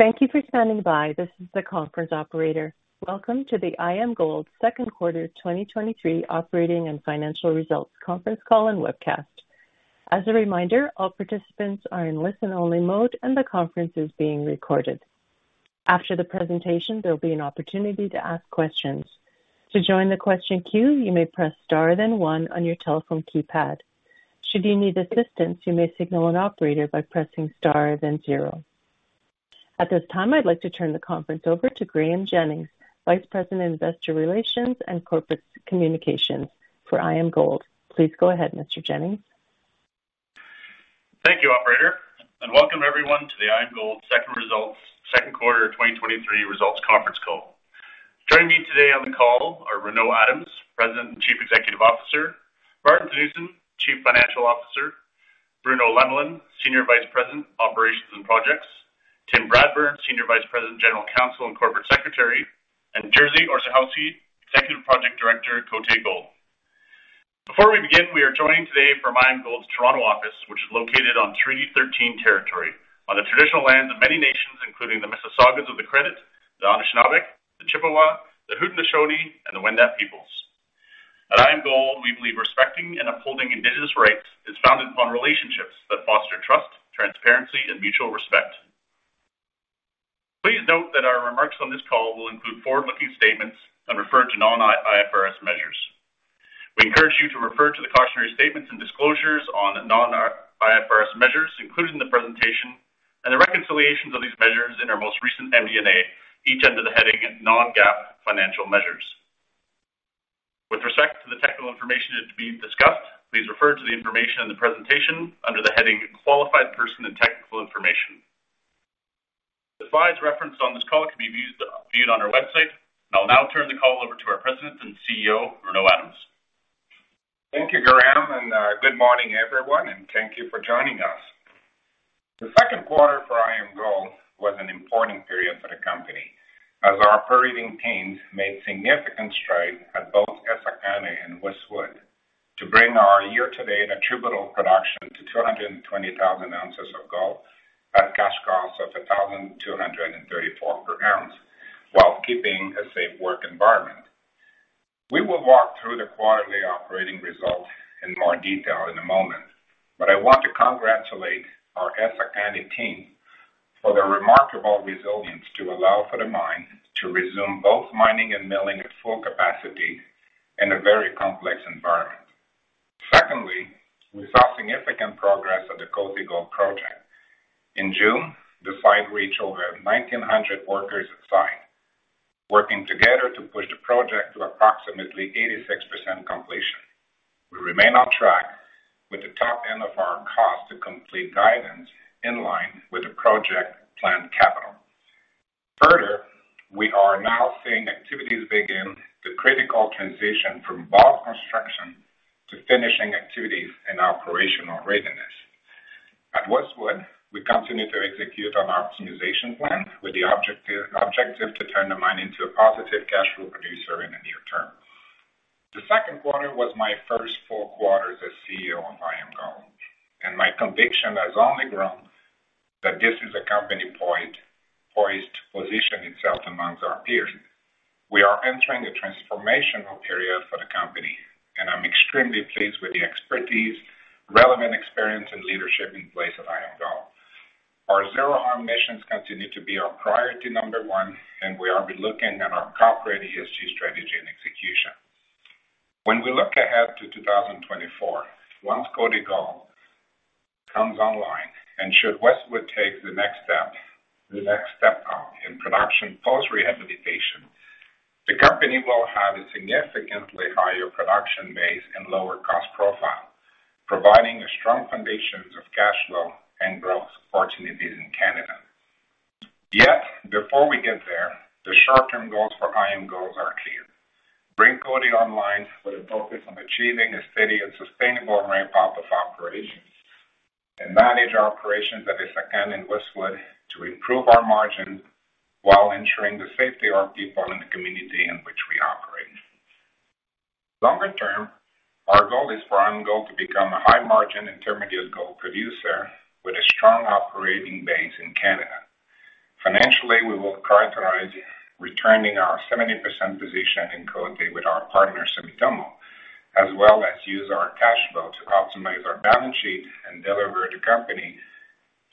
Thank you for standing by. This is the conference operator. Welcome to the IAMGOLD Q2 2023 operating and financial results conference call and webcast. As a reminder, all participants are in listen-only mode, and the conference is being recorded. After the presentation, there will be an opportunity to ask questions. To join the question queue, you may press star, then 1 on your telephone keypad. Should you need assistance, you may signal an operator by pressing star, then 0. At this time, I'd like to turn the conference over to Graeme Jennings, Vice President, Investor Relations and Corporate Communications for IAMGOLD. Please go ahead, Mr. Jennings. Thank you, operator, welcome everyone to the IAMGOLD 2nd results, 2nd quarter of 2023 results conference call. Joining me today on the call are Renaud Adams, President and Chief Executive Officer; Maarten Theunissen, Chief Financial Officer; Bruno Lemelin, Senior Vice President, Operations and Projects; Tim Bradburn, Senior Vice President, General Counsel, and Corporate Secretary; and Jerzy Orzechowski, Executive Project Director, Côté Gold. Before we begin, we are joining today from IAMGOLD's Toronto office, which is located on Treaty 9 territory, on the traditional lands of many nations, including the Mississaugas of the Credit, the Anishinaabe, the Chippewa, the Haudenosaunee, and the Wendat peoples. At IAMGOLD, we believe respecting and upholding Indigenous rights is founded upon relationships that foster trust, transparency, and mutual respect. Please note that our remarks on this call will include forward-looking statements and refer to non-IFRS measures. We encourage you to refer to the cautionary statements and disclosures on non-IFRS measures included in the presentation and the reconciliations of these measures in our most recent MD&A, each under the heading Non-GAAP Financial Measures. With respect to the technical information to be discussed, please refer to the information in the presentation under the heading Qualified Person and Technical Information. The slides referenced on this call can be viewed on our website. I'll now turn the call over to our President and CEO, Renaud Adams. Thank you, Graeme, good morning, everyone, and thank you for joining us. The Q2 for IAMGOLD was an important period for the company, as our operating teams made significant strides at both Essakane and Westwood to bring our year-to-date attributable production to 220,000 ounces of gold at cash costs of $1,234 per ounce, while keeping a safe work environment. We will walk through the quarterly operating results in more detail in a moment, but I want to congratulate our Essakane team for their remarkable resilience to allow for the mine to resume both mining and milling at full capacity in a very complex environment. Secondly, we saw significant progress at the Côté Gold Project. In June, the site reached over 1,900 workers on site, working together to push the project to approximately 86% completion. We remain on track with the top end of our cost to complete guidance in line with the project planned capital. We are now seeing activities begin the critical transition from bulk construction to finishing activities and operational readiness. At Westwood, we continue to execute on our optimization plan with the objective to turn the mine into a positive cash flow producer in the near term. The Q2 was my first full quarter as CEO of IAMGOLD. My conviction has only grown that this is a company point poised to position itself amongst our peers. We are entering a transformational period for the company. I'm extremely pleased with the expertise, relevant experience, and leadership in place at IAMGOLD. Our Zero Harm missions continue to be our priority 1. We are looking at our corporate ESG strategy and execution. When we look ahead to 2024, once Côté Gold comes online and should Westwood take the next step, the next step up in production post-rehabilitation, the company will have a significantly higher production base and lower cost profile, providing a strong foundation of cash flow and growth opportunities in Canada. Yet, before we get there, the short-term goals for IAMGOLD are clear: Bring Cote online with a focus on achieving a steady and sustainable ramp-up of operations, and manage our operations at Essakane and Westwood to improve our margins while ensuring the safety of our people in the community in which we operate. Longer term, our goal is for IAMGOLD to become a high-margin intermediate gold producer with a strong operating base in Canada. Financially, we will prioritize returning our 70% position in Cote with our partner, Sumitomo, as well as use our cash flow to optimize our balance sheet and deliver the company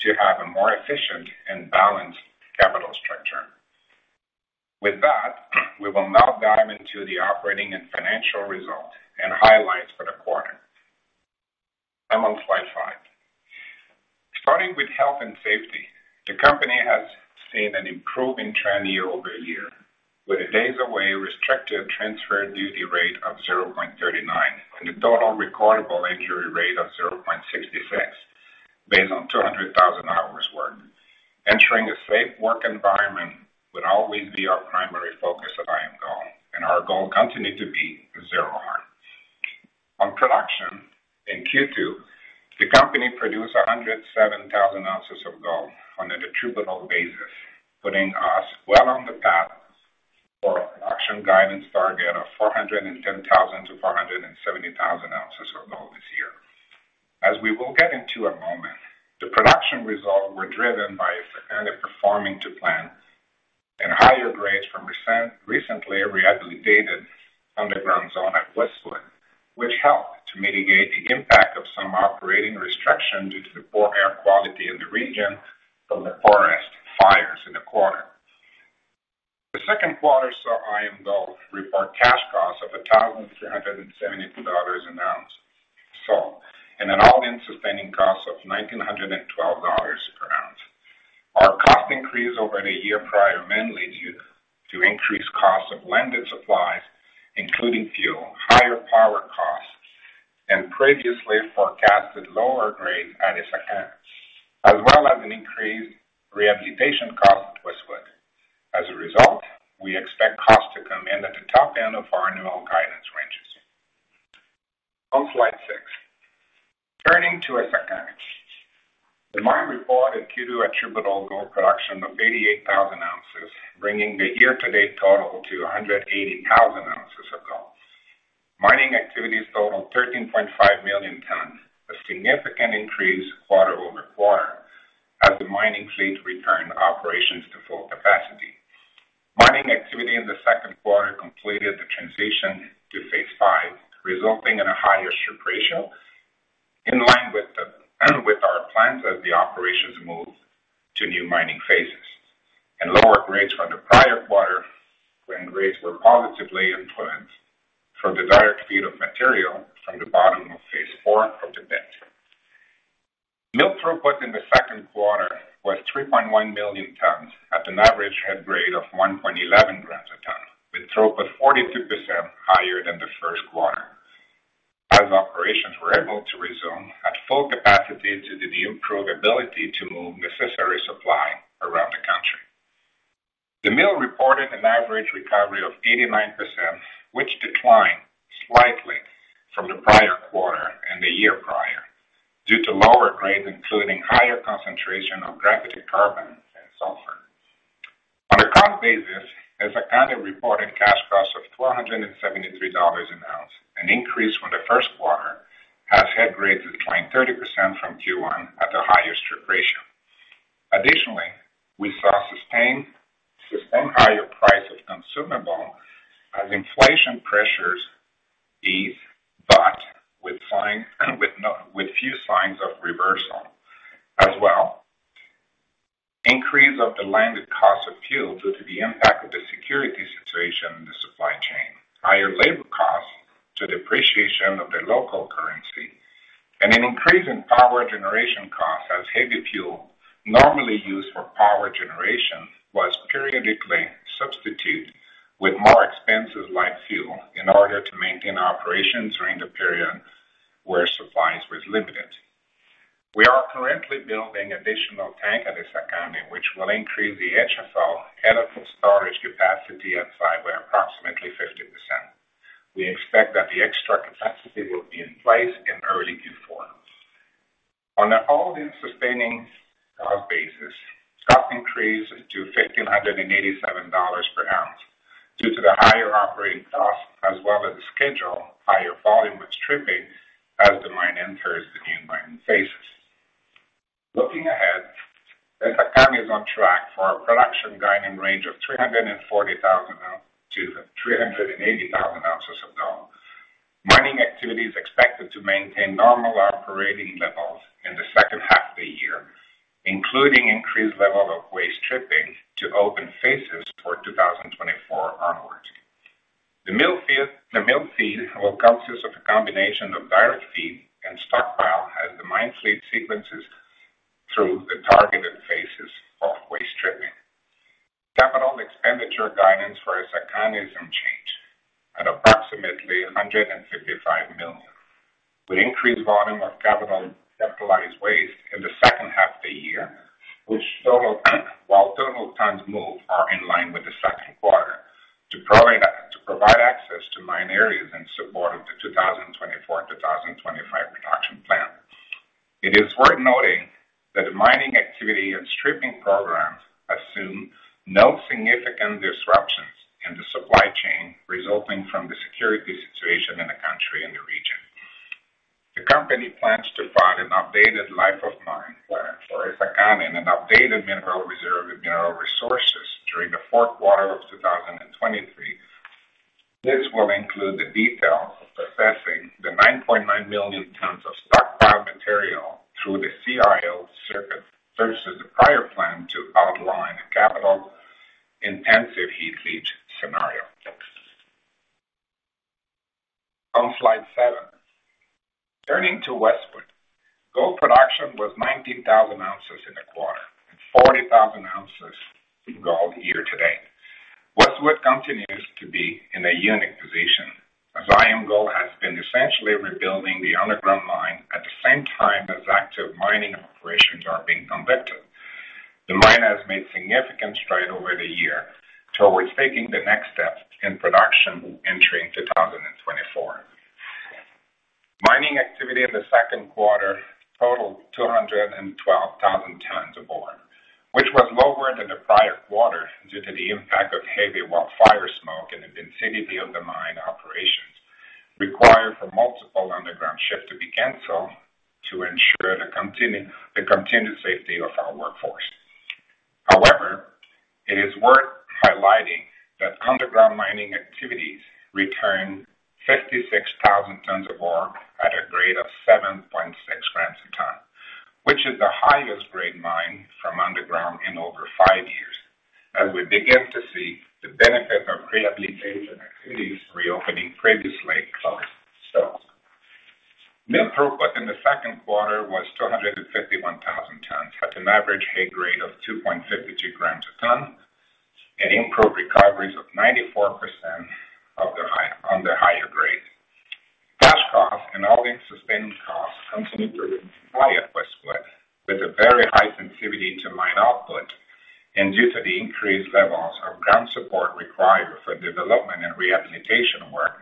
to have a more efficient and balanced capital structure. With that, we will now dive into the operating and financial results and highlights for the quarter. I'm on slide 5. Starting with health and safety, the company has seen an improving trend year-over-year, with a Days Away, Restricted or Transfer duty rate of 0.39 and a Total Recordable Injury Rate of 0.66, based on 200,000 hours worked. Ensuring a safe work environment will always be our primary focus at IAMGOLD, and our goal continue to be Zero Harm. On production, in Q2, the company produced 107,000 ounces of gold on an attributable basis, putting us well on-... 410,000-470,000 ounces of gold this year. As we will get into a moment, the production results were driven by Essakane performing to plan and higher grades from recently rehabilitated underground zone at Westwood, which helped to mitigate the impact of some operating restrictions due to the poor air quality in the region from the forest fires in the quarter. The Q2 saw IAMGOLD report cash costs of $1,372 an ounce. An All-In Sustaining Cost of $1,912 per ounce. Our cost increase over the year prior, mainly due to increased costs of landed supplies, including fuel, higher power costs, and previously forecasted lower grades at Essakane, as well as an increased rehabilitation cost at Westwood. As a result, we expect costs to come in at the top end of our annual guidance ranges. On slide 6. Turning to Essakane. The mine reported Q2 attributable gold production of 88,000 ounces, bringing the year-to-date total to 180,000 ounces of gold. Mining activities total 13.5 million tons, a significant increase quarter-over-quarter, as the mining fleet returned operations to as head grades declined 30% from Q1 at a higher strip ratio. Additionally, we saw sustained, sustained higher prices of consumables as inflation pressures ease, but with signs, with few signs of reversal. Increase of the landed cost of fuel due to the impact of the security situation in the supply chain, higher labor costs to depreciation of the local currency, and an increase in power generation costs as heavy fuel, normally used for power generation, was periodically substituted with more expensive light fuel in order to maintain operations during the period where supplies was limited. We are currently building additional tank at Essakane, which will increase the HFO head of storage capacity on site by approximately 50%. We expect that the extra capacity will be in place in early Q4. On an all-in sustaining cost basis, costs increased to $1,587 per ounce due to the higher operating costs as well as the schedule, higher volume with stripping as the mine enters the new mining phases. Looking ahead, Essakane is on track for a production guiding range of 340,000-380,000 ounces of gold. Mining activity is expected to maintain normal operating levels in the second half of the year, including increased level of waste stripping to open phases for 2024 onwards. The mill feed will consist of a combination of direct feed and stockpile as the mine fleet sequences through the targeted phases of waste stripping. Capital expenditure guidance for Essakane is unchanged at approximately $155 million. We increased volume of capital capitalized waste in the second half of the year, which total, while total tons moved are in line with the Q2, to provide to provide access to mine areas in support of the 2024-2025 production plan. It is worth noting that the mining activity and stripping programs assume no significant disruptions in the supply chain resulting from the security situation in the country and the region. The company plans to file an updated life of mine plan for Essakane and updated mineral reserve and mineral resources during the Q4 of 2023. This will include the details of assessing the 9.9 million tons of stockpile material through the CIL circuit, versus the prior plan to outline a capital-intensive heap leach scenario. On slide seven. Turning to Westwood, gold production was 19,000 ounces in the quarter, and 40,000 ounces in gold year to date. Westwood continues to be in a unique position, as IAMGOLD has been essentially rebuilding the underground mine at the same time as active mining operations are being conducted. The mine has made significant stride over the year towards taking the next step in production. Mining activity in the Q2 totaled 212,000 tons of ore, which was lower than the prior quarter due to the impact of heavy wildfire smoke in the vicinity of the mine operations, required for multiple underground shifts to be canceled to ensure the continued safety of our workforce. However, it is worth highlighting that underground mining activities returned 56,000 tons of ore at a grade of 7.6 grams a ton, which is the highest grade mine from underground in over 5 years, as we begin to see the benefit of rehabilitation activities reopening previously closed stopes. Mill throughput in the Q2 was 251,000 tons, at an average head grade of 2.52 g/t, and improved recoveries of 94% of the high, on the higher grade. Cash costs and all-in sustaining costs continued to rise at Westwood, with a very high sensitivity to mine output, and due to the increased levels of ground support required for development and rehabilitation work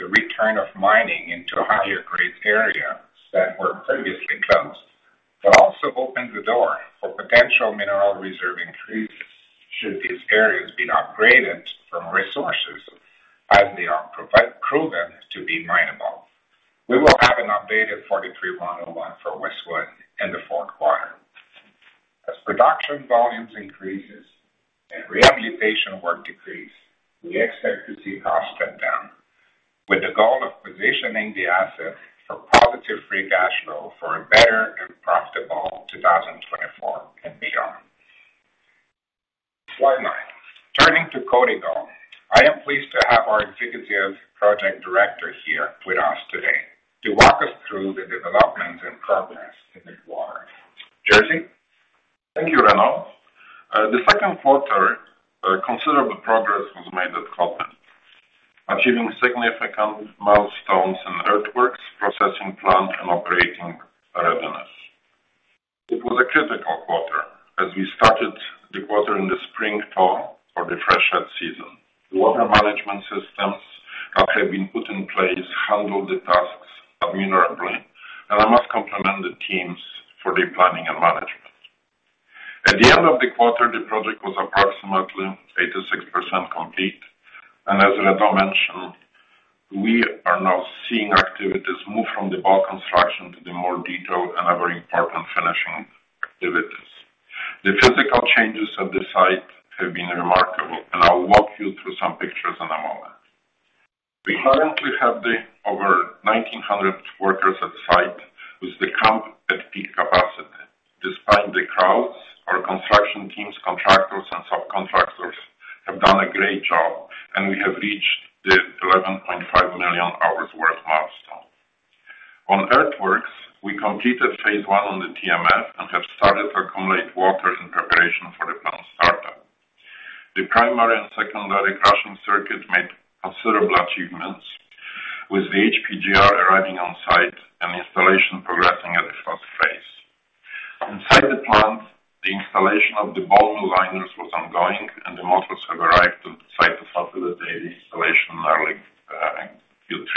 the return of mining into higher grade areas that were previously closed, but also opens the door for potential mineral reserve increases, should these areas be upgraded from resources as they are proven to be mineable. We will have an updated NI 43-101 for Westwood in the Q4. As production volumes increases and rehabilitation work decrease, we expect to see costs trend down, with the goal of positioning the asset for positive free cash flow for a better and profitable 2024 and beyond. Slide 9. Turning to Côté Gold, I am pleased to have our Executive Project Director here with us today to walk us through the development and progress in this quarter. Jerzy? Thank you, Renaud. The Q2, considerable progress was made at Côté Gold, achieving significant milestones in earthworks, processing plant, and operating readiness. It was a critical quarter as we started the quarter in the spring thaw or the freshet season. Water management systems have been put in place, handled the tasks admirably, and I must compliment the teams for their planning and management. At the end of the quarter, the project was approximately 86% complete, and as Renaud mentioned, we are now seeing activities move from the bulk construction to the more detailed and very important finishing activities. The physical changes at the site have been remarkable, and I'll walk you through some pictures in a moment. We currently have the over 1,900 workers on site, with the camp at peak capacity. Despite the crowds, our construction teams, contractors, and subcontractors have done a great job, and we have reached the 11.5 million hours worth milestone. On earthworks, we completed phase one on the TMF and have started to accumulate water in preparation for the plant startup. The primary and secondary crushing circuit made considerable achievements, with the HPGR arriving on site and installation progressing at a fast pace. Inside the plant, the installation of the boiler liners was ongoing, and the motors have arrived on site to facilitate the installation in early, Q3.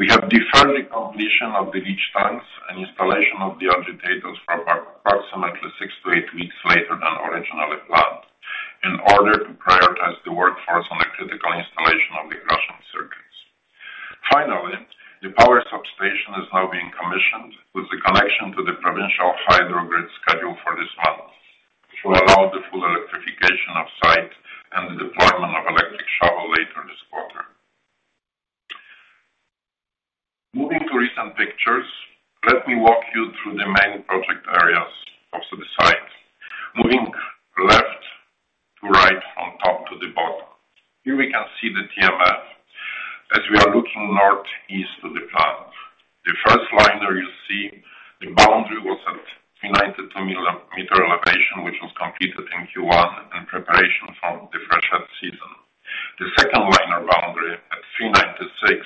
We have deferred the completion of the leach tanks and installation of the agitators for approximately 6-8 weeks later than originally planned, in order to prioritize the workforce on the critical installation of the crushing circuits. The power substation is now being commissioned, with the connection to the provincial hydro grid scheduled for this month, which will allow the full electrification-... Moving to recent pictures, let me walk you through the main project areas of the site. Moving left to right, from top to the bottom. Here we can see the TMF as we are looking northeast to the plant. The first liner you see, the boundary was at 392 meter elevation, which was completed in Q1 in preparation for the freshet season. The second liner boundary at 396,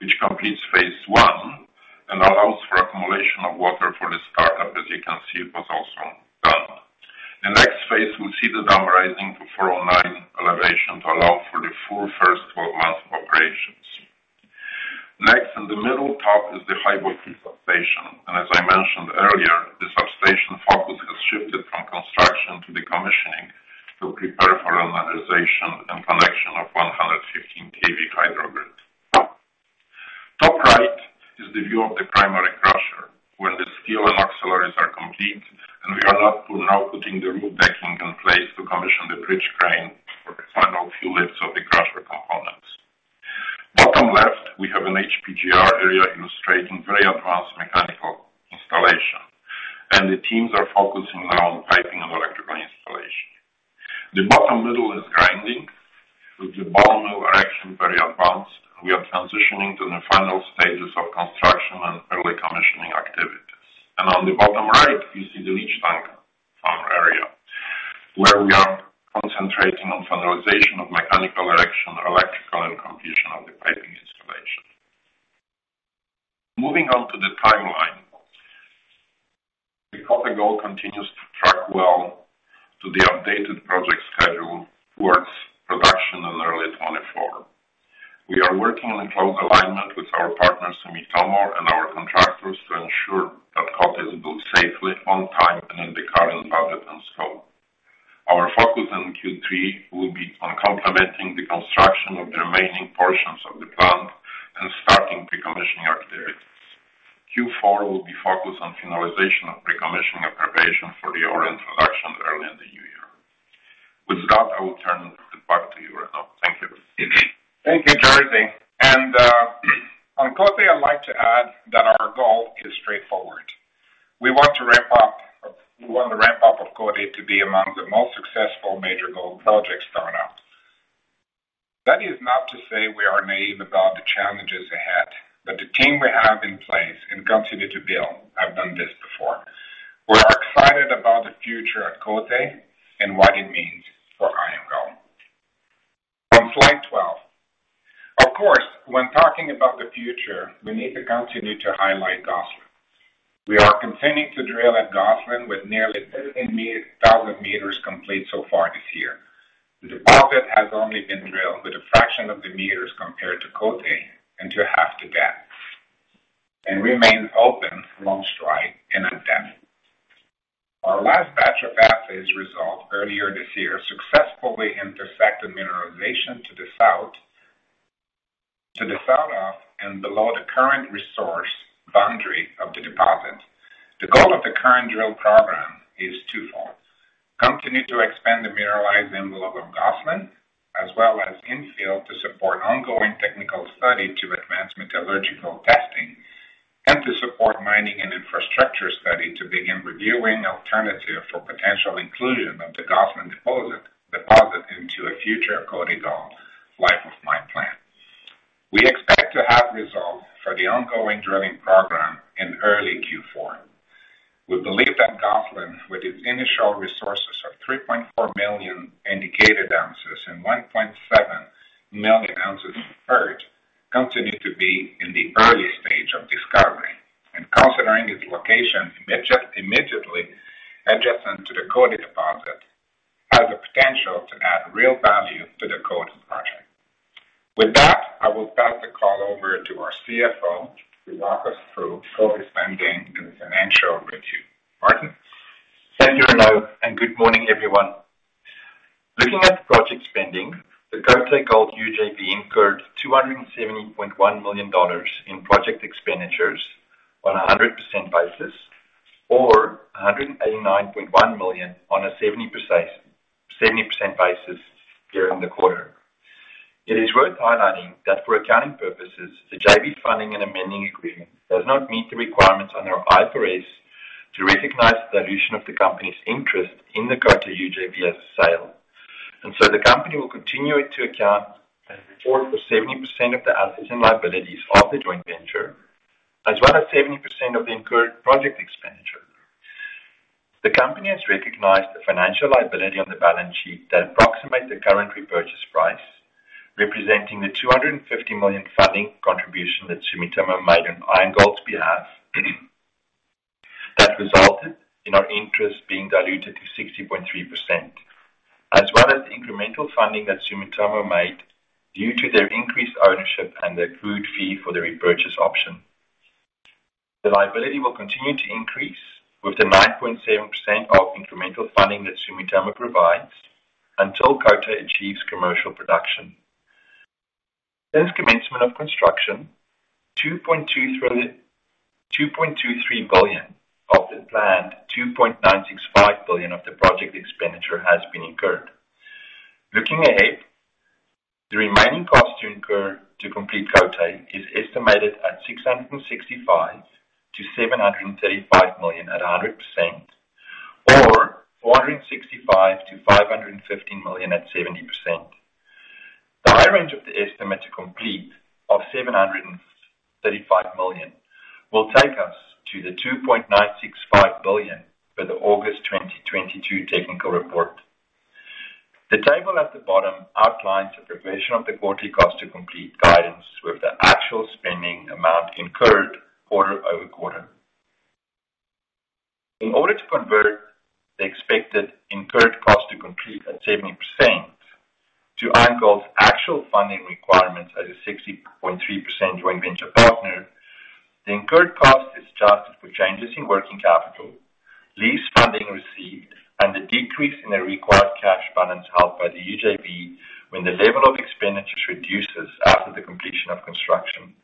which completes phase 1 and allows for accumulation of water for the startup, as you can see, it was also done. The next phase will see the dam rising to 409 elevation to allow for the full 12 months of operations. Next, in the middle top is the high voltage substation, As I mentioned earlier, the substation focus has shifted from construction to the commissioning to prepare for randomization and connection of 115 kV hydro grid. Top right is the view of the primary crusher, where the steel and auxiliaries are complete, we are now putting the roof decking in place to commission the bridge crane for the final few lifts of the crusher components. Bottom left, we have an HPGR area illustrating very advanced mechanical installation, The teams are focusing now on piping and electrical installation. The bottom middle is grinding, with the bottom mill erection very advanced. We are transitioning to the final stages of construction and early commissioning activities. On the bottom right, you see the leach tank farm area, where we are concentrating on finalization of mechanical erection, electrical, and completion of the piping installation. Moving on to the timeline. The Côté Gold continues to track well to the updated project schedule towards production in early 2024. We are working in close alignment with our partners, Sumitomo, and our contractors to ensure that Cote is built safely, on time, and in the current budget and scope. Our focus in Q3 will be on complementing the construction of the remaining portions of the plant and starting pre-commissioning activities. Q4 will be focused on finalization of pre-commissioning and preparation for the ore introduction early in the new year. With that, I will turn it back to you, Renaud. Thank you. Thank you, Jerzy. On Cote, I'd like to add that our goal is straightforward. We want to ramp up, we want the ramp up of Cote to be among the most successful major gold projects startup. That is not to say we are naive about the challenges ahead, but the team we have in place and continue to build have done this before. We are excited about the future at Cote and what it means for IAMGOLD. On slide 12. Of course, when talking about the future, we need to continue to highlight Gosselin. We are continuing to drill at Gosselin with nearly 38,000 meters complete so far this year. The deposit has only been drilled with a fraction of the meters compared to Cote and to half the depth, and remains open along strike and in depth. Our last batch of assays result earlier this year successfully intersected mineralization to the south, to the south of and below the current resource boundary of the deposit. The goal of the current drill program is twofold: continue to expand the mineralized envelope of Gosselin, as well as infill to support ongoing technical study to advance metallurgical testing, and to support mining and infrastructure study to begin reviewing alternative for potential inclusion of the Gosselin deposit into a future Côté Gold life of mine plan. We expect to have results for the ongoing drilling program in early Q4. We believe that Gosselin, with its initial resources of 3.4 million indicated ounces and 1.7 million ounces of gold, continues to be in the early stage of discovery. Considering its location immediately adjacent to the Côté Gold deposit, has the potential to add real value to the Côté Gold project. With that, I will pass the call over to our CFO to walk us through focus spending and financial review. Martin? Thank you, Renaud, and good morning, everyone. Looking at project spending, the Côté Gold UJV incurred $270.1 million in project expenditures on a 100% basis, or $189.1 million on a 70%, 70% basis during the quarter. It is worth highlighting that for accounting purposes, the JV funding and amending agreement does not meet the requirements under IFRS to recognize the dilution of the company's interest in the Cote UJV as a sale. So the company will continue to account and report for 70% of the assets and liabilities of the joint venture, as well as 70% of the incurred project expenditure. The company has recognized the financial liability on the balance sheet that approximates the current repurchase price, representing the $250 million funding contribution that Sumitomo made on IAMGOLD's behalf, that resulted in our interest being diluted to 60.3%, as well as the incremental funding that Sumitomo made due to their increased ownership and their accrued fee for the repurchase option. The liability will continue to increase with the 9.7% of incremental funding that Sumitomo provides, until Cote achieves commercial production. Since commencement of construction, 2.2 through the... $2.23 billion of the planned $2.965 billion of the project expenditure has been incurred. Looking ahead, the remaining cost to incur to complete Côté Gold is estimated at $665 million-$735 million at 100%, or $465 million-$550 million at 70%. The high range of the estimate to complete of $735 million will take us to the $2.965 billion for the August 2022 technical report. The table at the bottom outlines a progression of the quarterly cost to complete guidance with the actual spending amount incurred quarter-over-quarter. In order to convert the expected incurred cost to complete at 70% - IAMGOLD's actual funding requirements at a 60.3% joint venture partner, the incurred cost is adjusted for changes in working capital, lease funding received, and the decrease in the required cash balance held by the UJV when the level of expenditures reduces after the completion of construction.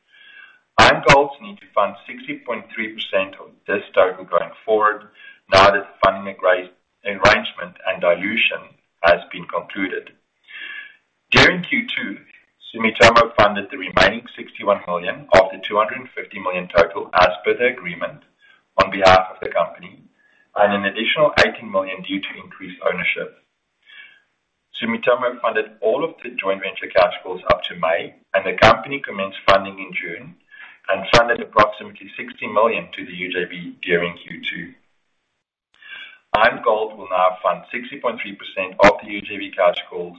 IAMGOLD need to fund 60.3% of this total going forward now that the funding arrangement and dilution has been concluded. During Q2, Sumitomo funded the remaining $61 million of the $250 million total, as per the agreement on behalf of the company, and an additional $18 million due to increased ownership. Sumitomo funded all of the joint venture cash flows up to May, and the company commenced funding in June and funded approximately $60 million to the UJV during Q2. IAMGOLD will now fund 60.3% of the UJV cash flows.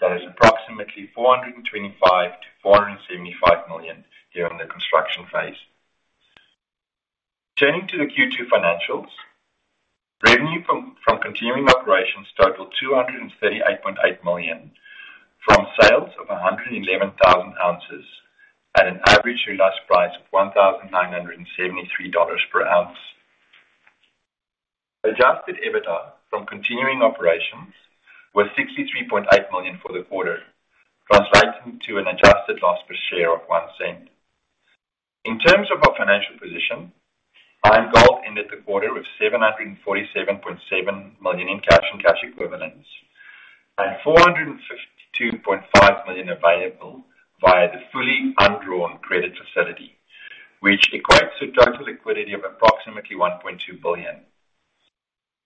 That is approximately $425 million-$475 million during the construction phase. Turning to the Q2 financials, revenue from continuing operations totaled $238.8 million, from sales of 111,000 ounces at an average realized price of $1,973 per ounce. Adjusted EBITDA from continuing operations was $63.8 million for the quarter, translating to an adjusted loss per share of $0.01. In terms of our financial position, IAMGOLD ended the quarter with $747.7 million in cash and cash equivalents, and $452.5 million available via the fully undrawn credit facility, which equates to total liquidity of approximately $1.2 billion.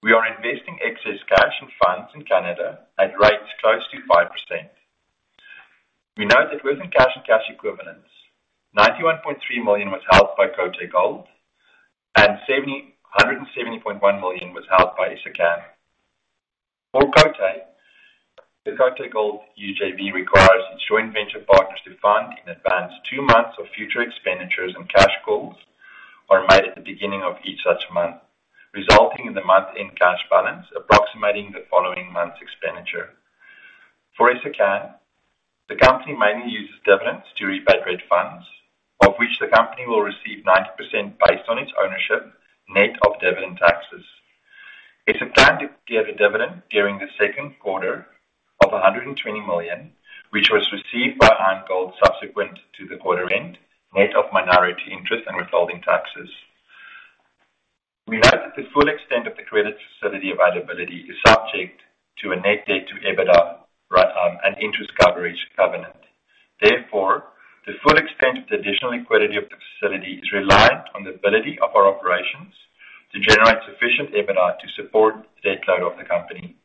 We are investing excess cash and funds in Canada at rates close to 5%. We note that within cash and cash equivalents, $91.3 million was held by Côté Gold, and $770.1 million was held by Essakane. For Cote, the Côté Gold UJV requires its joint venture partners to fund in advance two months of future expenditures and cash calls are made at the beginning of each such month, resulting in the month-end cash balance approximating the following month's expenditure. For Essakane, the company mainly uses dividends to repay credit funds, of which the company will receive 90% based on its ownership, net of dividend taxes. Essakane gave a dividend during the Q2 of $120 million, which was received by IAMGOLD subsequent to the quarter end, net of minority interest and withholding taxes. We note that the full extent of the credit facility availability is subject to a net debt to EBITDA and interest coverage covenant. Therefore, the full extent of the additional liquidity of the facility is reliant on the ability of our operations to generate sufficient EBITDA to support the debt load of the company.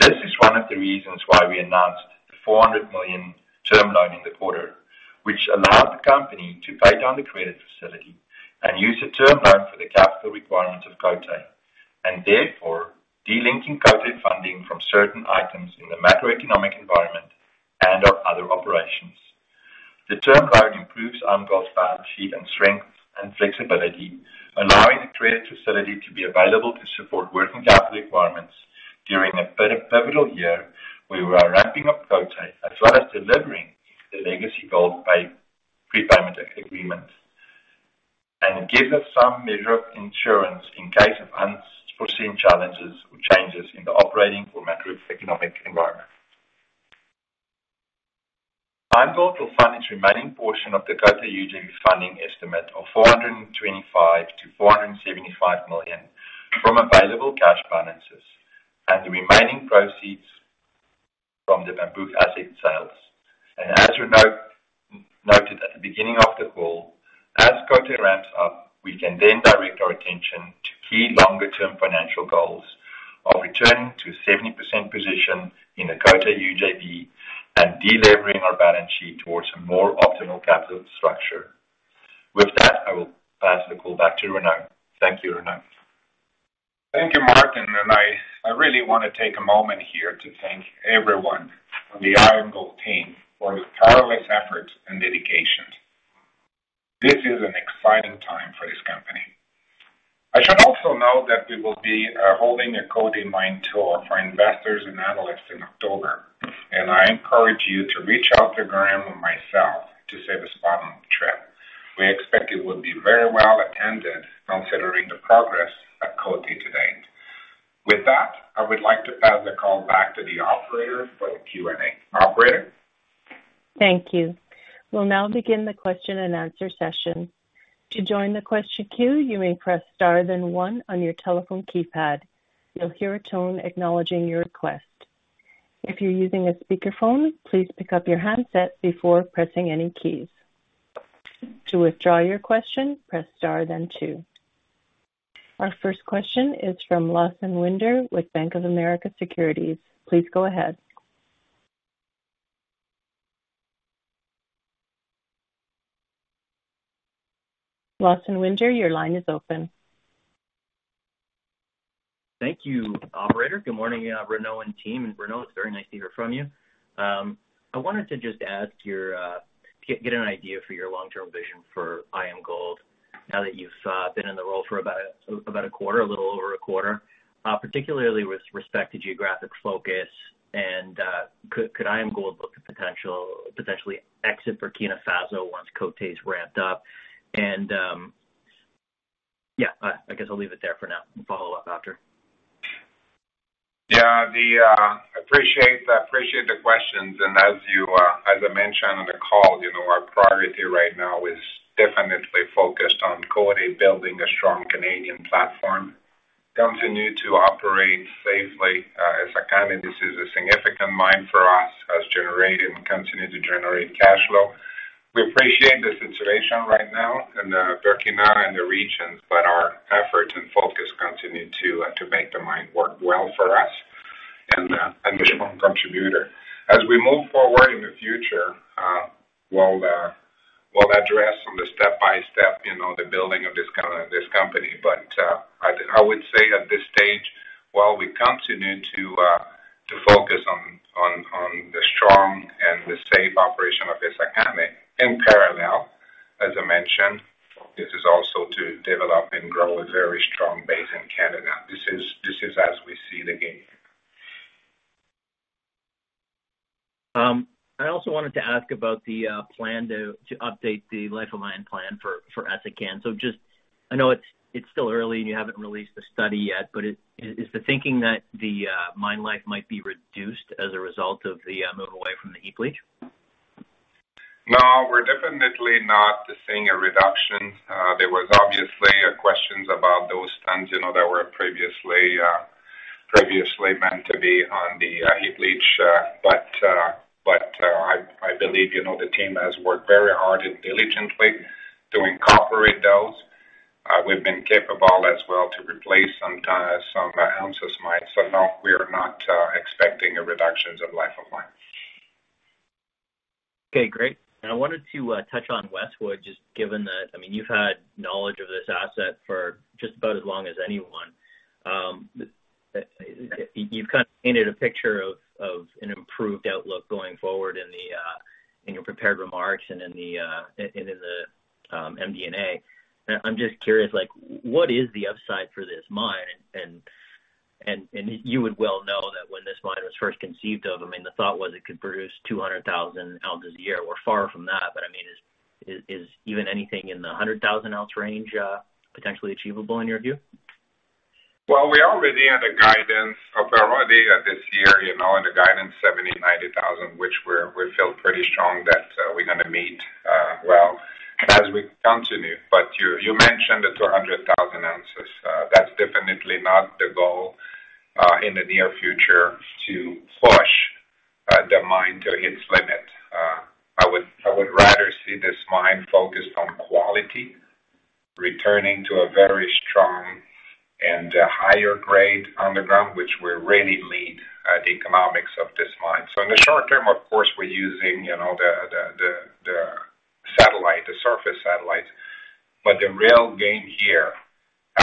This is one of the reasons why we announced the $400 million term loan in the quarter, which allowed the company to pay down the credit facility and use the term loan for the capital requirements of Côté Gold, and therefore delinking Côté Gold funding from certain items in the macroeconomic environment and our other operations. The term loan improves IAMGOLD's balance sheet and strength and flexibility, allowing the credit facility to be available to support working capital requirements during a pivotal year, where we are ramping up Côté Gold, as well as delivering the legacy gold by prepayment agreement, and gives us some measure of insurance in case of unforeseen challenges or changes in the operating or macroeconomic environment. IAMGOLD will fund its remaining portion of the Côté Gold UJV funding estimate of $425 million-$475 million from available cash balances and the remaining proceeds from the Bambouk asset sales. As we note, noted at the beginning of the call, as Côté Gold ramps up, we can then direct our attention to key longer term financial goals of returning to 70% position in the Côté Gold UJV, and delevering our balance sheet towards a more optimal capital structure. I will pass the call back to Renaud. Thank you, Renaud. Thank you, Martin, and I, I really want to take a moment here to thank everyone on the IAMGOLD team for their tireless efforts and dedication. This is an exciting time for this company. I should also note that we will be holding a Cote Mine tour for investors and analysts in October, and I encourage you to reach out to Graeme or myself to save a spot on the trip. We expect it will be very well attended, considering the progress at Cote today. With that, I would like to pass the call back to the operator for the Q&A. Operator? Thank you. We'll now begin the question and answer session. To join the question queue, you may press Star, then one on your telephone keypad. You'll hear a tone acknowledging your request. If you're using a speakerphone, please pick up your handset before pressing any keys. To withdraw your question, press Star then two. Our first question is from Lawson Winder with Bank of America Securities. Please go ahead. Lawson Winder, your line is open. Thank you, operator. Good morning, Renaud and team. Renaud, it's very nice to hear from you. I wanted to just ask your, get, get an idea for your long-term vision for IAMGOLD, now that you've been in the role for about, about a quarter, a little over a quarter, particularly with respect to geographic focus, and could IAMGOLD look to potentially exit Burkina Faso once Cote's ramped up? Yeah, I, I guess I'll leave it there for now and follow up after. Yeah, I appreciate, I appreciate the questions, and as you, as I mentioned on the call, you know, our priority right now is definitely focused on Cote building a strong Canadian platform, continue to operate safely. As this is a significant mine for us, has generated and continue to generate cash flow. We appreciate the situation right now in Burkina and the region, Our efforts and focus continue to make the mine work well for us and a strong contributor. As we move forward in the future, we'll, we'll address on the step-by-step, you know, the building of this company. I, I would say at this stage, while we continue to focus on, on, on the strong and the safe operation of Essakane in parallel, as I mentioned, this is also to develop and grow a very strong base in Canada. This is, this is as we see the game. I also wanted to ask about the plan to, to update the life of mine plan for, for Essakane. I know it's, it's still early, and you haven't released the study yet, but is, is the thinking that the mine life might be reduced as a result of the move away from the heap leach? No, we're definitely not seeing a reduction. There was obviously questions about those tons, you know, that were previously previously meant to be on the heap leach. I believe, you know, the team has worked very hard and diligently to incorporate those. We've been capable as well to replace some ounces might. No, we are not expecting a reductions of life of mine. Okay, great. I wanted to touch on Westwood, just given that, I mean, you've had knowledge of this asset for just about as long as anyone. You, you've kind of painted a picture of, of an improved outlook going forward in the, in your prepared remarks and in the, and in the MD&A. I'm just curious, like, what is the upside for this mine? You would well know that when this mine was first conceived of, I mean, the thought was it could produce 200,000 ounces a year. We're far from that, but I mean, is, is, is even anything in the 100,000 ounce range potentially achievable in your view? Well, we already had a guidance of already, this year, you know, in the guidance 70,000-90,000, which we feel pretty strong that we're gonna meet, well, as we continue. You, you mentioned the 200,000 ounces. That's definitely not the goal in the near future, to push the mine to its limit. I would, I would rather see this mine focused on quality, returning to a very strong and higher grade underground, which will really lead the economics of this mine. In the short term, of course, we're using, you know, the, the, the, the satellite, the surface satellites. The real game here,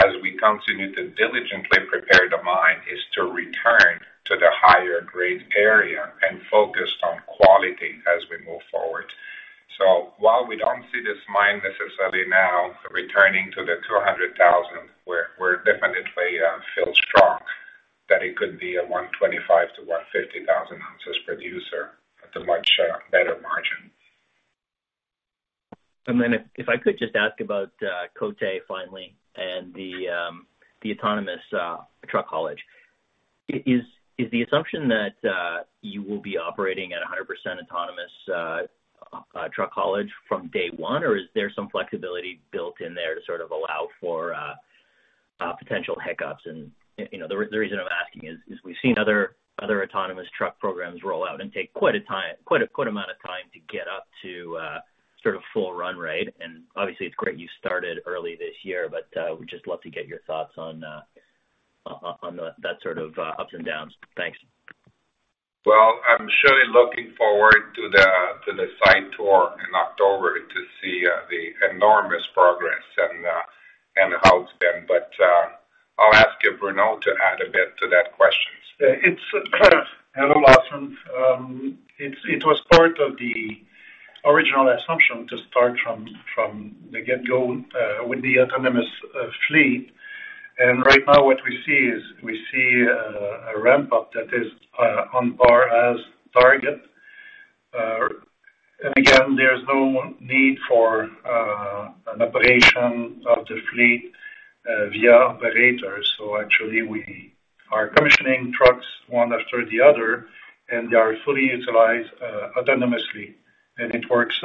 as we continue to diligently prepare the mine, is to return to the higher grade area and focus on quality as we move forward. While we don't see this mine necessarily now returning to the 200,000, we're, we're definitely, feel strong that it could be a 125,000-150,000 ounces producer at a much, better margin. Then if, if I could just ask about Côté Gold finally and the autonomous truck haulage. Is, is the assumption that you will be operating at 100% autonomous truck haulage from day 1, or is there some flexibility built in there to sort of allow for potential hiccups? You know, the, the reason I'm asking is, is we've seen other, other autonomous truck programs roll out and take quite a time, quite amount of time to get up to sort of full run rate. Obviously, it's great you started early this year, but would just love to get your thoughts on, on, on that sort of ups and downs. Thanks. Well, I'm surely looking forward to the site tour in October to see the enormous progress and how it's been. I'll ask Renaud to add a bit to that question. Yeah, it's, hello, Lawson. It's, it was part of the original assumption to start from, from the get-go, with the autonomous fleet. Right now, what we see is, we see a ramp-up that is on par as target. Again, there's no need for an operation of the fleet via operators. Actually, we- are commissioning trucks, one after the other, and they are fully utilized, autonomously, and it works,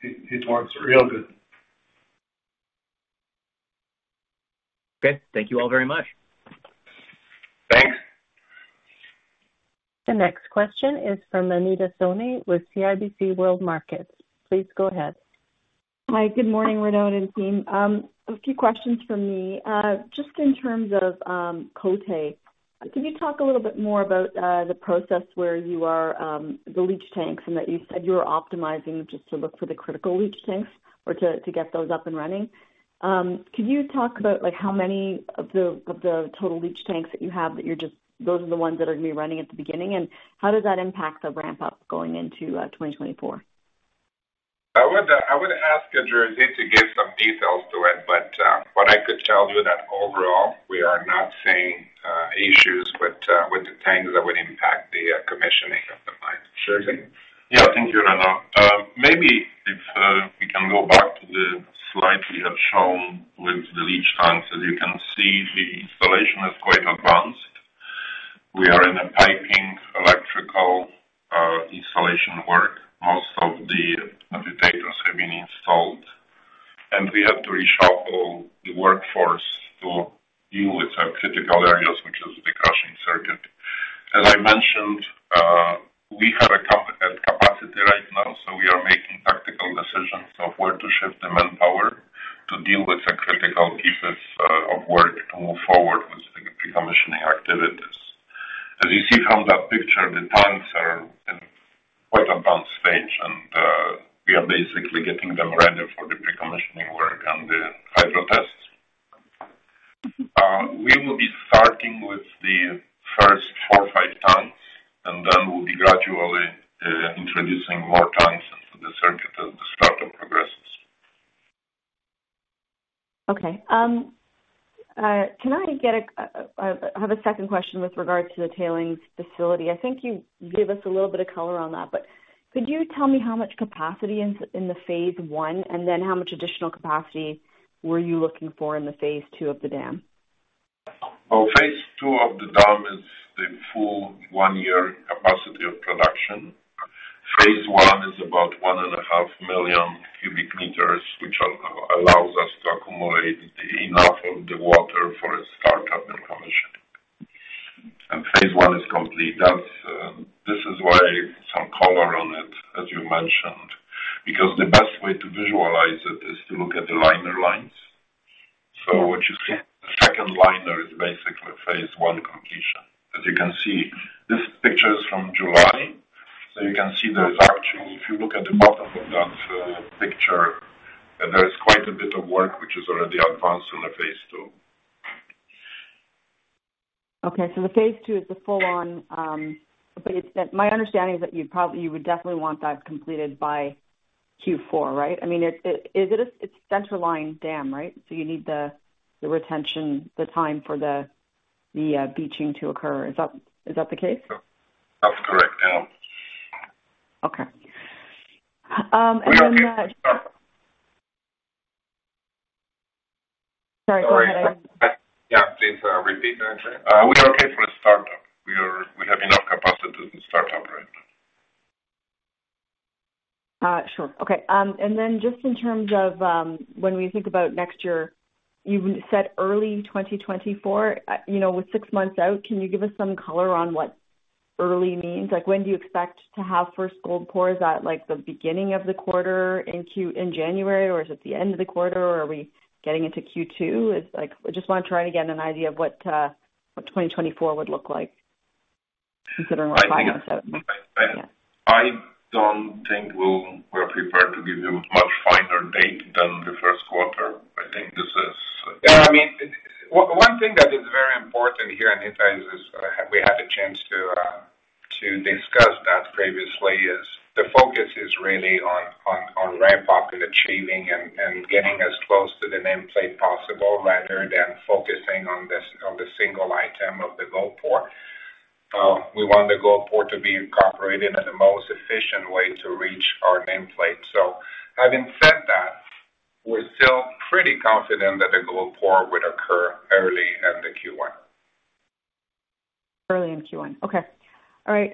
it, it works real good. Okay, thank you all very much. Thanks. The next question is from Anita Soni with CIBC World Markets. Please go ahead. Hi, good morning, Renaud and team. A few questions from me. Just in terms of Cote, can you talk a little bit more about the process where you are, the leach tanks and that you said you were optimizing just to look for the critical leach tanks or to, to get those up and running? Can you talk about, like, how many of the, of the total leach tanks that you have that you're just, those are the ones that are gonna be running at the beginning, and how does that impact the ramp-up going into 2024? I would, I would ask Jerzy to give some details to it, but what I could tell you that overall, we are not seeing issues with with the tanks that would impact the commissioning of the mine. Jerzy? Yeah, thank you, Renaud. Maybe if we can go back to the slide we have shown with the leach tanks. As you can see, the installation is quite advanced. We are in a piping, electrical, installation work. Most of the agitators have been installed, and we have to reshuffle the workforce to deal with some critical areas, which is the crushing circuit. As I mentioned, we have at capacity right now, so we are making practical decisions of where to shift the manpower to deal with the critical pieces of work to move forward with the pre-commissioning activities. As you see from that picture, the tanks are in quite advanced stage, and we are basically getting them ready for the pre-commissioning work and the hydro tests. We will be starting with the first four or five tanks, and then we'll be gradually introducing more tanks into the circuit as the startup progresses. Okay. I have a second question with regards to the tailings facility. I think you gave us a little bit of color on that, but could you tell me how much capacity is in the phase 1, and then how much additional capacity were you looking for in the phase 2 of the dam? Well, phase two of the dam is the full one-year capacity of production. Phase one is about one and a half million cubic meters, which allows us to accumulate enough of the water for a startup and commissioning. Phase one is complete. That's why some color on it, as you mentioned, because the best way to visualize it is to look at the liner lines. What you see, the second liner is basically phase one completion. As you can see, this picture is from July, so you can see there's actually, if you look at the bottom of that picture, there is quite a bit of work which is already advanced on the phase two. Okay, the phase two is the full on, it's that my understanding is that you probably, you would definitely want that completed by Q4, right? I mean, it, it, is it it's center line dam, right? you need the, the retention, the time for the, the beaching to occur. Is that, is that the case? That's correct, yeah. Okay. then. We are okay for start. Sorry, go ahead. Yeah, please repeat, Jerzy. We are okay for a startup. We have enough capacity to start up right now. Sure. Okay, then just in terms of, when we think about next year, you said early 2024. You know, with 6 months out, can you give us some color on what early means? Like, when do you expect to have first gold pour? Is that, like, the beginning of the quarter in Q1, in January, or is it the end of the quarter, or are we getting into Q2? It's like, I just want to try and get an idea of what, what 2024 would look like, considering we're 5 months out. I think, I don't think we're prepared to give you a much finer date than the Q1. I think this is. Yeah, I mean, one, one thing that is very important here, and it is, we had a chance to discuss that previously, is the focus is really on, on, on ramp-up and achieving and, and getting as close to the nameplate possible rather than focusing on this, on the single item of the gold pour. We want the gold pour to be incorporated as the most efficient way to reach our nameplate. Having said that, we're still pretty confident that the gold pour would occur early in the Q1. Early in Q1. Okay. All right,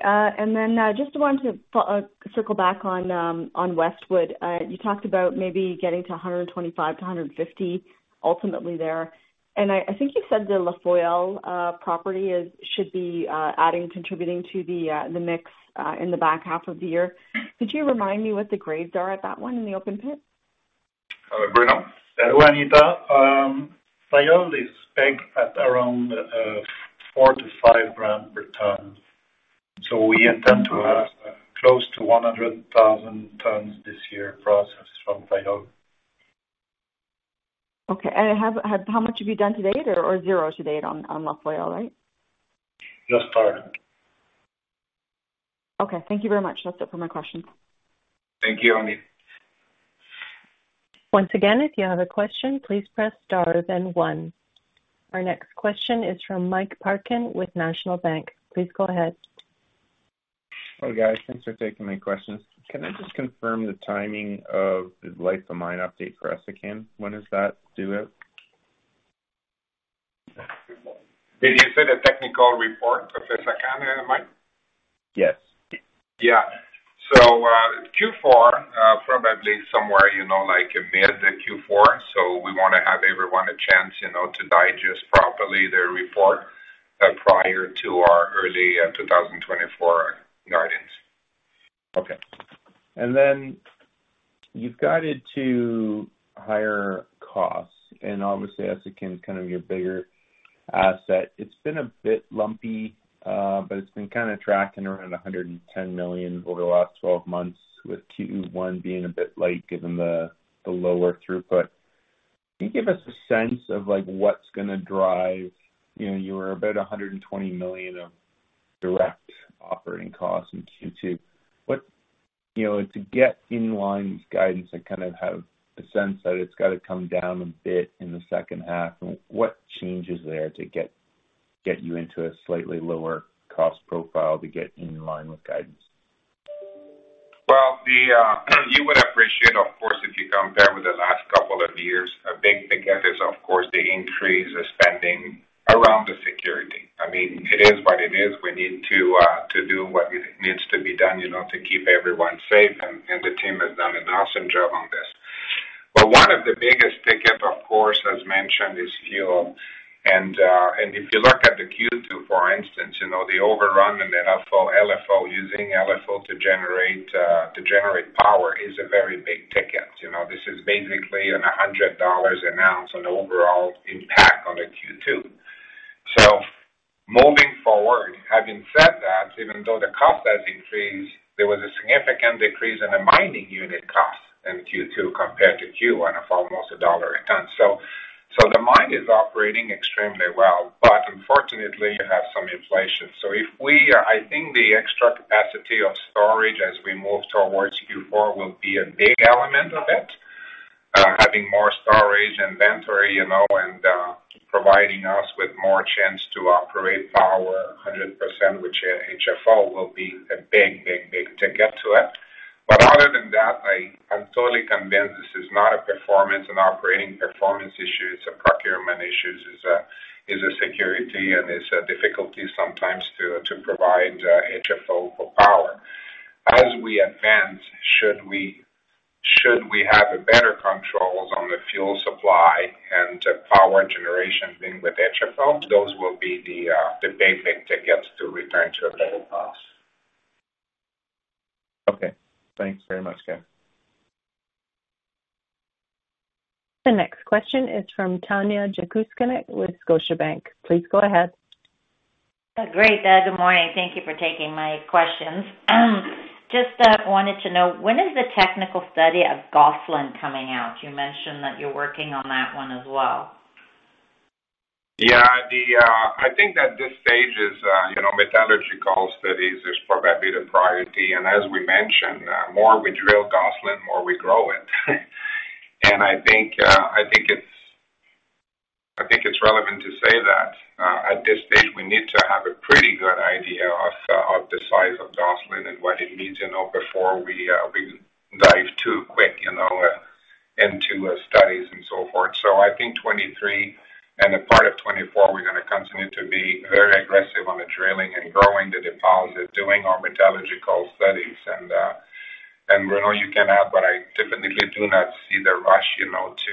just wanted to circle back on Westwood. You talked about maybe getting to 125 to 150 ultimately there, and I, I think you said the Fayolle property is, should be, adding, contributing to the mix, in the back half of the year. Could you remind me what the grades are at that one in the open pit? Bruno? Hello, Anita. Fayolle is pegged at around 4-5 g/t. We intend to have close to 100,000 tons this year processed from Fayolle. Okay, have, have, how much have you done to date or, or zero to date on, on Fayolle, right? Just started. Okay, thank you very much. That's it for my questions. Thank you, Anita. Once again, if you have a question, please press Star then One. Our next question is from Mike Parkin with National Bank. Please go ahead. Hi, guys. Thanks for taking my questions. Can I just confirm the timing of the life of mine update for Essakane? When is that due out? Did you say the technical report of Essakane mine? Yes. Yeah. Q4, probably somewhere, you know, like mid Q4. We want to have everyone a chance, you know, to digest properly their report, prior to our early, 2024 guidance. Okay. Then you've guided to higher costs, and obviously, Essakane is kind of your bigger asset. It's been a bit lumpy, but it's been kind of tracking around $110 million over the last twelve months, with Q2 one being a bit light given the, the lower throughput. Can you give us a sense of, like, what's going to drive... You know, you were about $120 million of direct operating costs in Q2. What, you know, to get in line with guidance and kind of have a sense that it's got to come down a bit in the second half, and what changes there to get, get you into a slightly lower cost profile to get in line with guidance? Well, the, you would appreciate, of course, if you compare with the last couple of years, a big ticket is of course, the increase of spending around the security. I mean, it is what it is. We need to, to do what needs to be done, you know, to keep everyone safe, and, and the team has done an awesome job on this. One of the biggest ticket, of course, as mentioned, is fuel. If you look at the Q2, for instance, you know, the overrun and then LFO, LFO, using LFO to generate, to generate power is a very big ticket. You know, this is basically an $100 an ounce on overall impact on the Q2. Moving forward, having said that, even though the cost has increased, there was a significant decrease in the mining unit cost in Q2 compared to Q1, of almost $1 a ton. The mine is operating extremely well, but unfortunately, you have some inflation. If we, I think the extra capacity of storage as we move towards Q4 will be a big element of it. Having more storage inventory, you know, and providing us with more chance to operate power 100%, which HFO will be a big, big, big ticket to it. Other than that, I, I'm totally convinced this is not a performance, an operating performance issue, it's a procurement issues, is a, is a security, and it's a difficulty sometimes to, to provide HFO for power. As we advance, should we have better controls on the fuel supply and power generation being with HFO, those will be the big, big tickets to return to a better cost. Okay, thanks very much, guys. The next question is from Tanya Jakusconek with Scotiabank. Please go ahead. Great, good morning. Thank you for taking my questions. just, wanted to know, when is the technical study of Gosselin coming out? You mentioned that you're working on that one as well. Yeah, the, I think that this stage is, you know, metallurgical studies is probably the priority. As we mentioned, more we drill Gosselin, more we grow it. I think, I think it's, I think it's relevant to say that, at this stage, we need to have a pretty good idea of, of the size of Gosselin and what it means, you know, before we, we dive too quick, you know, into, studies and so forth. I think 2023 and a part of 2024, we're going to continue to be very aggressive on the drilling and growing the deposit, doing our metallurgical studies. Renaud, you can add, but I definitely do not see the rush, you know, to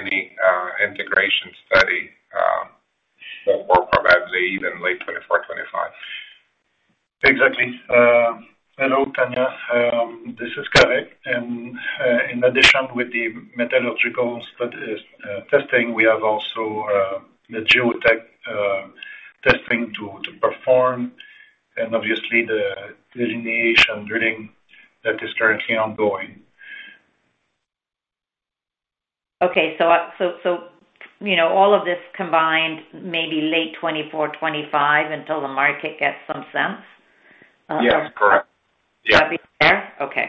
any integration study, so probably even late 2024, 2025. Exactly. Hello, Tanya. This is correct. In addition with the metallurgical testing, we have also, the geotech, testing to, to perform and obviously the delineation drilling that is currently ongoing. Okay, so, you know, all of this combined, maybe late 2024, 2025 until the market gets some sense? Yes, correct. Yeah. That'd be fair? Okay.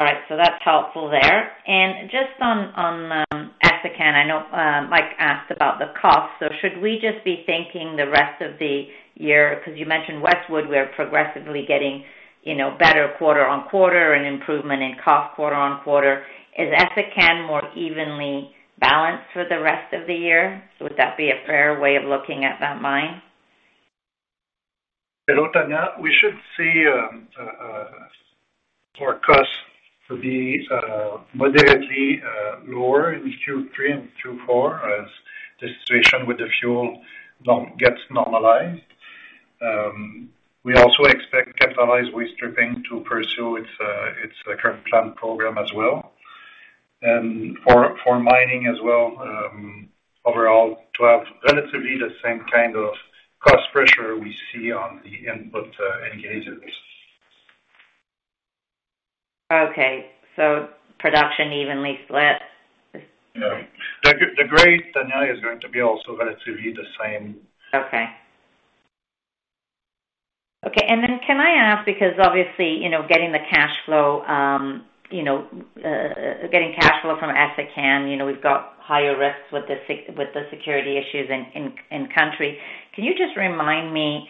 All right, so that's helpful there. And just on, on Essakane, I know Mike asked about the cost, so should we just be thinking the rest of the year? Because you mentioned Westwood, we are progressively getting, you know, better quarter on quarter and improvement in cost quarter on quarter. Is Essakane more evenly balanced for the rest of the year? So would that be a fair way of looking at that mine? Hello, Tanya. We should see our costs to be moderately lower in Q3 and Q4 as the situation with the fuel down gets normalized. We also expect capitalized waste stripping to pursue its current plan program as well. For, for mining as well, overall, to have relatively the same kind of cost pressure we see on the input indicators. Okay, production evenly split? Yeah. The, the grade, Tanya, is going to be also relatively the same. Okay. Okay, then can I ask, because obviously, you know, getting the cash flow, you know, getting cash flow from Essakane, you know, we've got higher risks with the security issues in, in, in country. Can you just remind me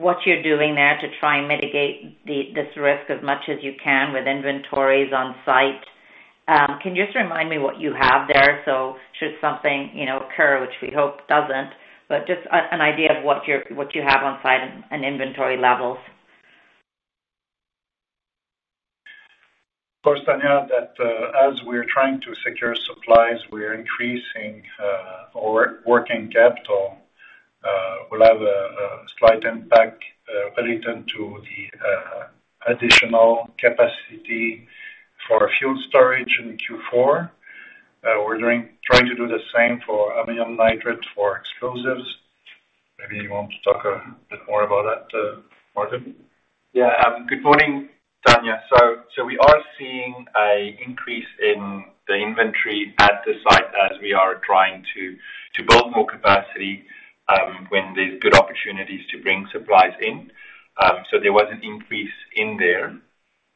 what you're doing there to try and mitigate the, this risk as much as you can with inventories on site? Can you just remind me what you have there? Should something, you know, occur, which we hope doesn't, but just an, an idea of what you're, what you have on site and, and inventory levels? Of course, Tanya, that as we're trying to secure supplies, we're increasing our working capital, will have a slight impact related to the additional capacity for fuel storage in Q4. We're trying to do the same for ammonium nitrate, for explosives. Maybe you want to talk a bit more about that, Martin? Good morning, Tanya. We are seeing a increase in the inventory at the site as we are trying to, to build more capacity, when there's good opportunities to bring supplies in. There was an increase in there.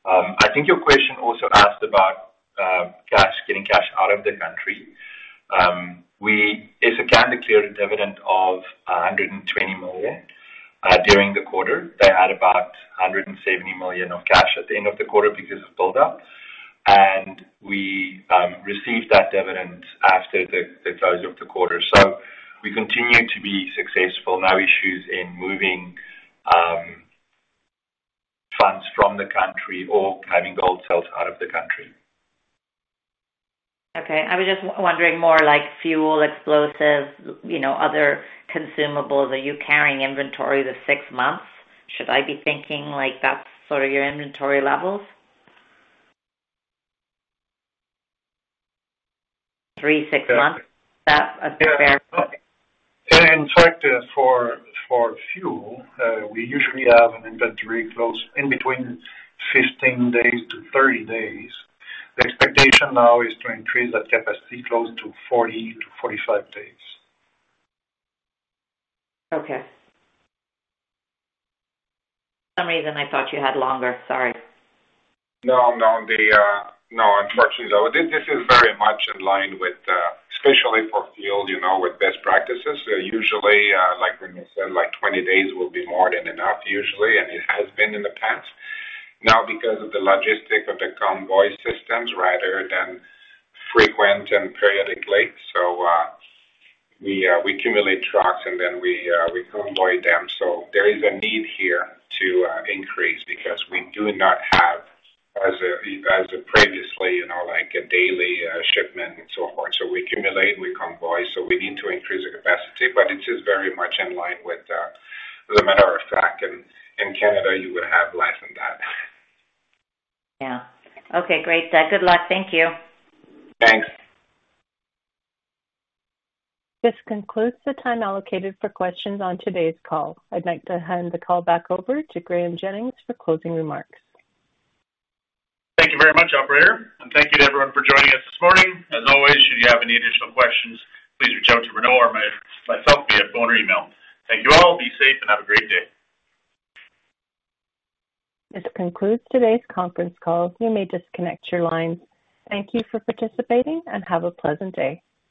I think your question also asked about, cash, getting cash out of the country. We Essakane declared a dividend of $120 million during the quarter. They had about $170 million of cash at the end of the quarter because of buildup, and we received that dividend after the, the close of the quarter. We continue to be successful. No issues in moving funds from the country or having gold sales out of the country. Okay. I was just wondering more like fuel, explosives, you know, other consumables. Are you carrying inventory of the 6 months? Should I be thinking like that's sort of your inventory levels? 3, 6 months? Yeah. That a fair- Yeah. In fact, for, for fuel, we usually have an inventory close in between 15 days to 30 days. The expectation now is to increase that capacity close to 40-45 days. Okay. For some reason, I thought you had longer. Sorry. No, no, the... No, unfortunately, though, this is very much in line with, especially for fuel, you know, with best practices. Usually, like when you said, like, 20 days will be more than enough, usually, and it has been in the past. Now, because of the logistic of the convoy systems, rather than frequent and periodically, we, we accumulate trucks and then we, we convoy them. There is a need here to increase because we do not have as a, as a previously, you know, like a daily shipment and so forth. We accumulate, we convoy, so we need to increase the capacity, but it is very much in line with, as a matter of fact, and in Canada, you will have less than that. Yeah. Okay, great. Good luck. Thank you. Thanks. This concludes the time allocated for questions on today's call. I'd like to hand the call back over to Graeme Jennings for closing remarks. Thank you very much, operator, and thank you to everyone for joining us this morning. As always, should you have any additional questions, please reach out to Renaud or myself via phone or email. Thank you all. Be safe and have a great day. This concludes today's conference call. You may disconnect your lines. Thank you for participating and have a pleasant day.